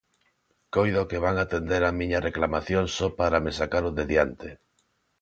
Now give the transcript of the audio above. Coido que van atender a miña reclamación só para me sacar de diante.